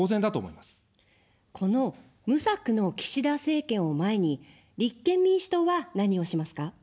この無策の岸田政権を前に立憲民主党は何をしますか。